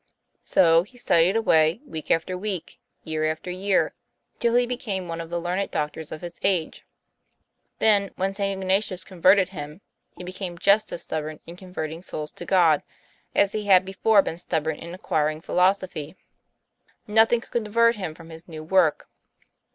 So he studied away, week after week, year after year, till he became one of the learned doctors of his age. Then when St. Ignatius converted him, he became just as stubborn in converting souls .to God, as he had before been stubborn in acquiring philosophy. Nothing could divert him from his new work.